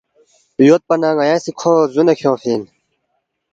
یودپا نہ ن٘یا سی کھو زُونے کھیونگفی اِن